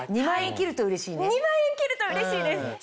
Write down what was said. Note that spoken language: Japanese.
２万円切るとうれしいです。